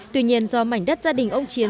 tuy nhiên do mảnh đất gia đình ông chiến